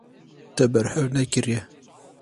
Te berhev nekiriye.